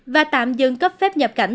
và tạm dừng cấp phép nhập cảnh